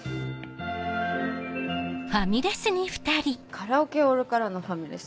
カラオケオールからのファミレスって